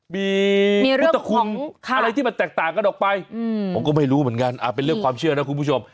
มีพุทธคุณอะไรที่มันแตกต่างกันออกไปผมก็ไม่รู้เหมือนกันเป็นเรื่องความเชื่อนะคุณผู้ชม